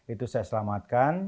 itu saya selamatkan